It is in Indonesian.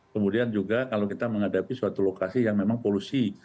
kemudian juga kalau kita menghadapi suatu lokasi yang memang polusi